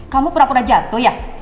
kamu pernah pernah jatuh ya